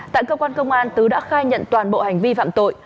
tại cơ quan công an tứ đã khai nhận toàn bộ hành vi phạm tội